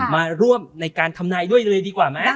มาร่วมในการทำนายด้วยเลยดีกว่าไหม